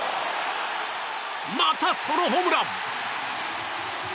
またソロホームラン。